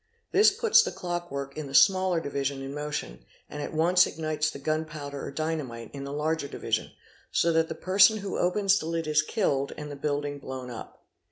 his puts the clock work in the smaller division in motion and at once ignites the gunpowder or dynamite in the larger division, so that the person who opens the lid is killed, and the building blown up.